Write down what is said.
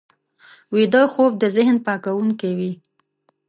ویده خوب د ذهن پاکوونکی وي